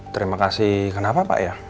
terima kasih kenapa pak